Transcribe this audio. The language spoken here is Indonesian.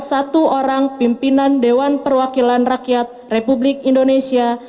satu orang pimpinan dewan perwakilan rakyat republik indonesia